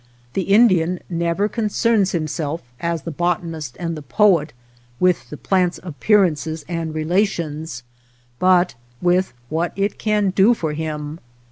The Indian never concerns him self, as the botanist and the poet, with the plant's appearances and relations, but with what it can do for him.